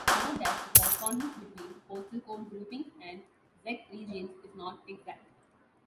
Note that the correspondence between postal code groupings and Czech Regions is not exact.